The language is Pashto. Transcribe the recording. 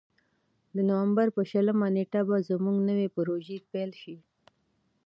د نوامبر په شلمه نېټه به زموږ نوې پروژې پیل شي.